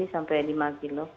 sampai lima km